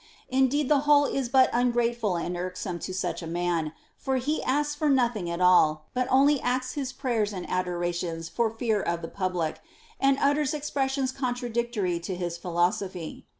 Indeed the whole is but ungrateful and irksome to such a man ; for he asks for nothing at all, but only acts his prayers and adorations for fear of the public, and utters expres sions contradictory to his philosophy.